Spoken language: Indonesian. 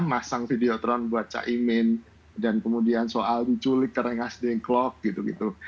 masang videotron buat caimin dan kemudian soal diculik keringas di clock gitu gitu